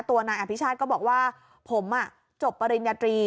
ตัวนางแอฟพิชาติก็บอกว่าผมอะจบปริญญาตรี